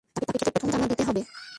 তাকে ক্ষেতে প্রথম দানা দিতে হবে।